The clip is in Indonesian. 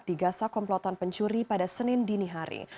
digasak komplotan pencuri pada senin dini hari